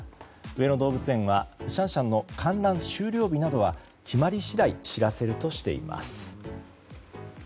上野動物園はシャンシャンの観覧終了日などは決まり次第知らせるとしています。